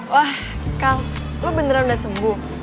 wah kang lo beneran udah sembuh